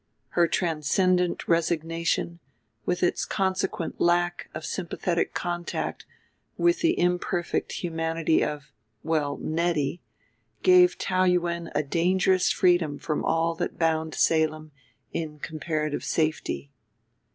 Her transcendent resignation, with its consequent lack of sympathetic contact with the imperfect humanity of well, Nettie, gave Taou Yuen a dangerous freedom from all that bound Salem in comparative safety.